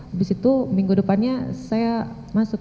habis itu minggu depannya saya masuk